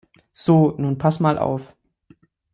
So, nun pass mal auf!